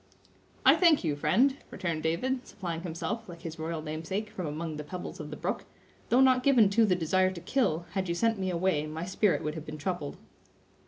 "I thank you, friend," returned David, supplying himself, like his royal namesake, from among the pebbles of the brook; "though not given to the desire to kill, had you sent me away my spirit would have been troubled."